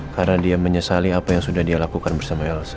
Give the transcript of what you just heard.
karena dia menyesali apa yang sudah dia lakukan bersama elsa